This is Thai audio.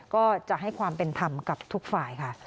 ก็จะให้ความเป็นธรรมกับทุกฝ่ายค่ะ